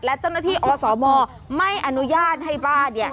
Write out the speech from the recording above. และเจ้าหน้าที่อสมไม่อนุญาตให้บ้านเนี่ย